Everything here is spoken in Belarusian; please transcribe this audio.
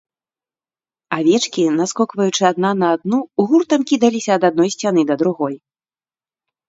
Авечкі, наскокваючы адна на адну, гуртам кідаліся ад адной сцяны да другой.